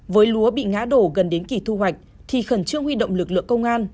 với lúa bị ngã đổ gần đến kỳ thu hoạch thì khẩn trương huy động lực lượng công an